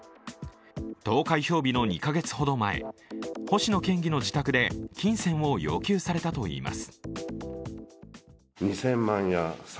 投開票日の２カ月ほど前、星野県議の自宅で金銭を要求されたといいます。